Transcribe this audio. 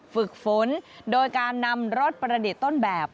ฝึกฝนโดยการนำรถประดิษฐ์ต้นแบบ